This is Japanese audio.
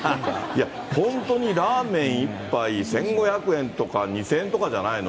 いや、本当にラーメン１杯１５００円とか２０００円とかじゃないの？